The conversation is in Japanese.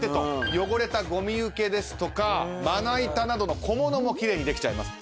汚れたゴミ受けですとかまな板などの小物も奇麗にできちゃいます。